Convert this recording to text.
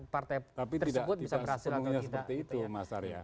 partai tersebut bisa berhasil atau tidak